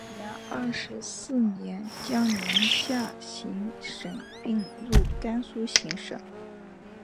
至元二十四年将宁夏行省并入甘肃行省。